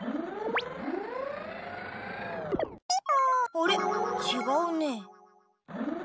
あれちがうね。